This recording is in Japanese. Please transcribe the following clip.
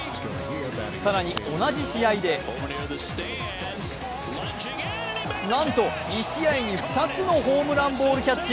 更に同じ試合でなんと１試合に２つのホームランボールキャッチ。